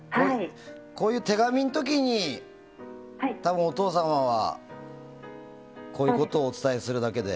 こういう手紙の時にお父様はこういうことをお伝えするだけで。